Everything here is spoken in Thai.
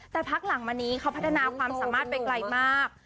แต่พักหลังมานี้เขาพัฒนาความสามารถไปไกลมาก